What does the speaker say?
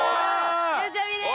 ゆうちゃみです